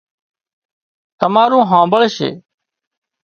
تمارون هانمڀۯشي